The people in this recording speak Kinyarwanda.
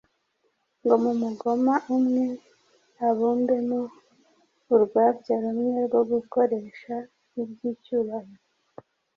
ngo mu mugoma umwe abumbemo urwabya rumwe rwo gukoresha iby’icyubahiro,